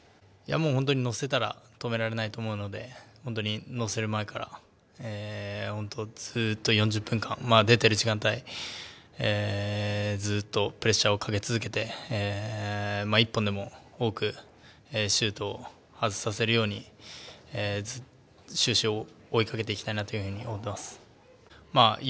本当に乗せたら止められないと思うので本当に乗せる前から本当ずーっと４０分間出てる時間帯、ずーっとプレッシャーをかけ続けて１本でも多くシュートを外させるように終始、追いかけていきたいなというふうに思ってます。